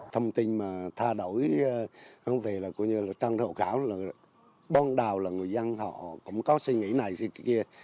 thông tin mà tha đổi về là trang thổ khảo là bọn đào là người dân họ cũng có suy nghĩ này suy nghĩ kia